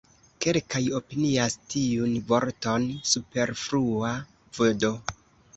Kelkaj opinias tiun vorton superflua, vd.